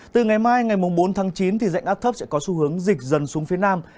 từ ngày mai ngày bốn tháng chín dạnh áp thấp sẽ có xu hướng dịch dần xuống phía nam